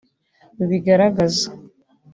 rubigaragaza